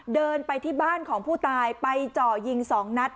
เดินไปที่บ้านของผู้ตายไปเจาะยิงสองนัด